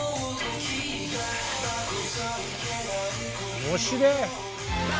おもしれ。